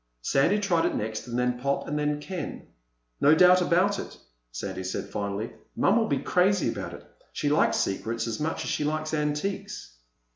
Sandy tried it next, and then Pop and then Ken. "No doubt about it," Sandy said finally. "Mom'll be crazy about it. She likes secrets as much as she likes antiques."